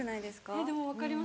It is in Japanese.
えっでも分かります。